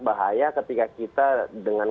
bahaya ketika kita dengan